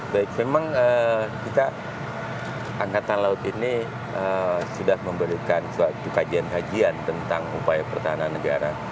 baik memang kita angkatan laut ini sudah memberikan suatu kajian kajian tentang upaya pertahanan negara